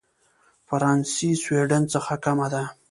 فرانسې سوېډن څخه کمه ده.